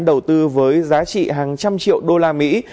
đầu tư với giá trị hàng trăm triệu đô la mỹ